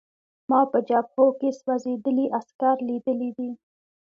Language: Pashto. ما په جبهو کې سوځېدلي عسکر لیدلي دي